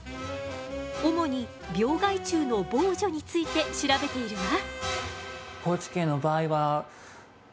主に病害虫の防除について調べているわ。